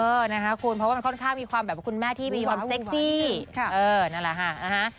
เออนะคะคุณเพราะว่ามันค่อนข้างมีความแบบว่าคุณแม่ที่มีความเซ็กซี่นั่นแหละค่ะนะฮะ